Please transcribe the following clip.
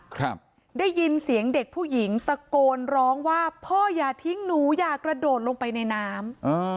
ครับได้ยินเสียงเด็กผู้หญิงตะโกนร้องว่าพ่ออย่าทิ้งหนูอย่ากระโดดลงไปในน้ำอ่า